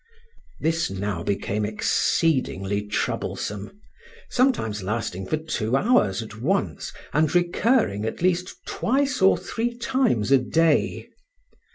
This now became exceedingly troublesome, sometimes lasting for two hours at once, and recurring at least twice or three times a day.